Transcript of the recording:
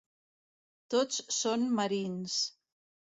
Tots són marins.